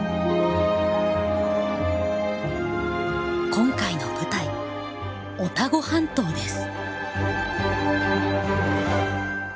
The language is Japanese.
今回の舞台オタゴ半島です。